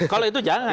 kalau itu jangan